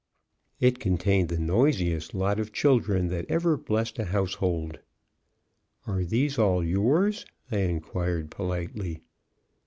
It contained the noisiest lot of children that ever blessed a household. "Are these all yours?" I inquired, politely.